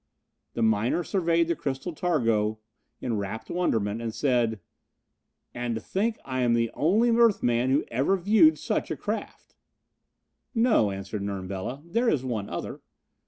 The miner surveyed the crystal targo in rapt wonderment and said: "And to think I am the only earth man who ever viewed such a craft!" "No," answered Nern Bela, "there is one other."